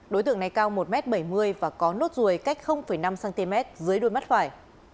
đối tượng này cao một m bảy mươi và có nốt ruồi cách năm cm dưới đuôi mắt phải